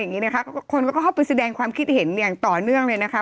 อย่างนี้นะคะคนก็เข้าไปแสดงความคิดเห็นอย่างต่อเนื่องเลยนะคะ